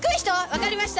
分かりました！